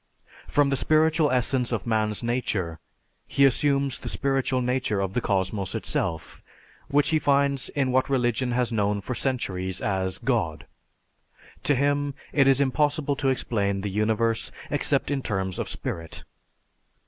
From the "spiritual essence of Man's nature," he assumes the spiritual nature of the cosmos itself, which he finds in what religion has known for centuries as God. To him, it is impossible to explain the universe except in terms of spirit.